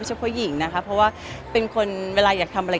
เฉพาะหญิงนะคะเพราะว่าเป็นคนเวลาอยากทำอะไร